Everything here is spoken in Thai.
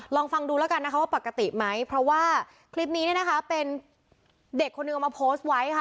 ลองฟังดูแล้วกันนะคะว่าปกติไหมเพราะว่าคลิปนี้เนี่ยนะคะเป็นเด็กคนหนึ่งเอามาโพสต์ไว้ค่ะ